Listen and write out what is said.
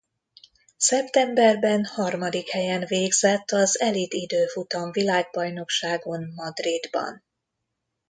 Szeptemberben harmadik helyen végzett az elit időfutam világbajnokságon Madridban.